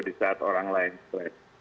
di saat orang lain stres